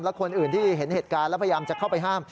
และคนอื่นที่เห็นเหตุการณ์แล้วพยายามจะเข้าไปห้าม